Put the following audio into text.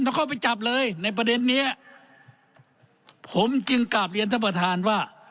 เข้าไปจับเลยในประเด็นเนี้ยผมจึงกลับเรียนท่านประธานว่า